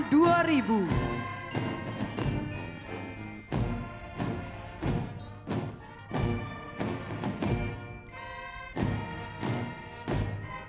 dia menjadi premier di rangedah